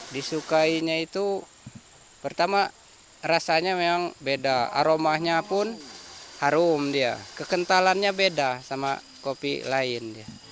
disukainya itu pertama rasanya memang beda aromanya pun harum dia kekentalannya beda sama kopi lain